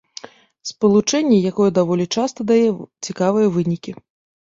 Спалучэнне, якое даволі часта дае цікавыя вынікі.